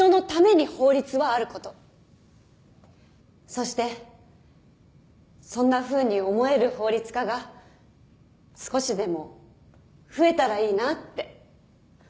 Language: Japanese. そしてそんなふうに思える法律家が少しでも増えたらいいなって。